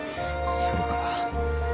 それから。